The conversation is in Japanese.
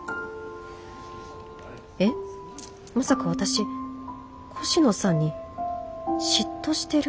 えっまさか私越乃さんに嫉妬してる？